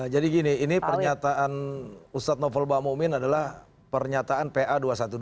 jadi gini ini pernyataan ustadz novel bahamumin adalah pernyataan pa dua ratus dua belas